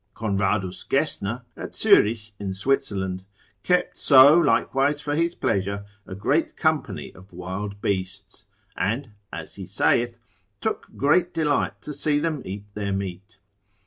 Conradus Gesner, at Zurich in Switzerland, kept so likewise for his pleasure, a great company of wild beasts; and (as he saith) took great delight to see them eat their meat.